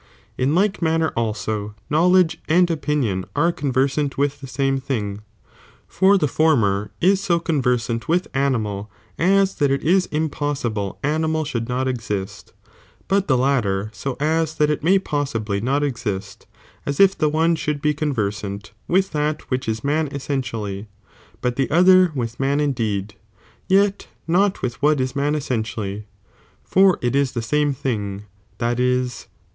In like manner also knowledge and opinioti are conversant with the same thing, for the former is' so con versant with animal as that it ia impossible animal should not esist, but the latter so as that it may possibly not exist, as if the one should be conversant with that which is man essen tially, but the other with man indeed, yet not with what is t Buiaccidcni man essentially;! '^^^*^^^^ same thing, that is.